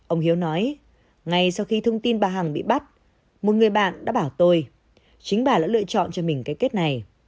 ông hiếu nói ngay sau khi thông tin bà hằng bị bắt một người bạn đã bảo tôi chính bà đã lựa chọn cho mình cái kết này